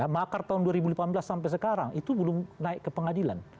makar tahun dua ribu delapan belas sampai sekarang itu belum naik ke pengadilan